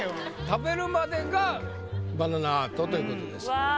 食べるまでがバナナアートということですから。